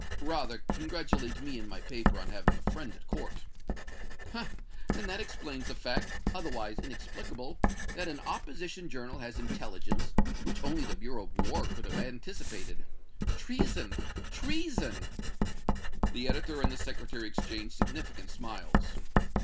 "Rather congratulate me and my paper on having a friend at court." "Ha! and that explains the fact, otherwise inexplicable, that an opposition journal has intelligence, which only the Bureau of War could have anticipated! Treason treason!" The editor and the Secretary exchanged significant smiles.